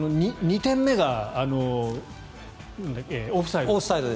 ２点目がオフサイド。